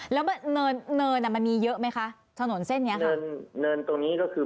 แล้วเนินเนินอ่ะมันมีเยอะไหมคะถนนเส้นเนี้ยค่ะเนินเนินตรงนี้ก็คือ